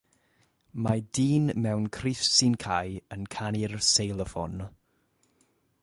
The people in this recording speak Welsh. Mae dyn mewn crys sy'n cau yn canu'r seiloffon.